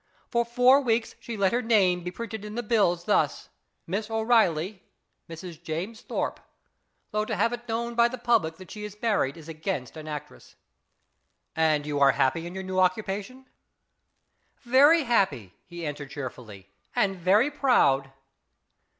" For four IS IT A MANf 271 weeks she let her name be printed in the bills thus :' Miss O'Reilly (Mrs. James Thorpe),' though to have it known by the public that she is married is against an actress." " And you are happy in your new occupa tion ?" 46 Very happy," he answered cheerfully, "and very proud."